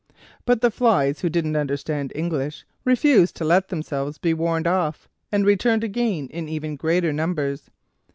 But the flies, who didn't understand English, refused to let themselves be warned off, and returned again in even greater numbers.